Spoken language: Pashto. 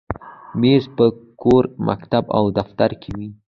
مېز په کور، مکتب، او دفتر کې وي.